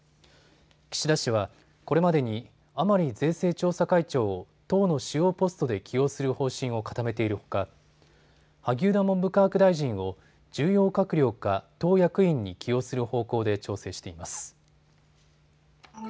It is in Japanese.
岸田氏はこれまでに甘利税制調査会長を党の主要ポストで起用する方針を固めているほか萩生田文部科学大臣を重要閣僚か党役員に起用する方向で調整しています。